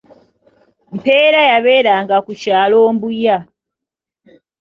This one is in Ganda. Mpeera yabeeranga ku kyalo Mbuya.